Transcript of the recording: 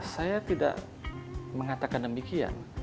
saya tidak mengatakan demikian